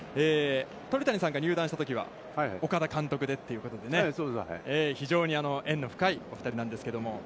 鳥谷さんが入団したときは岡田監督でということで、非常に縁の深いお二人なんですけれども。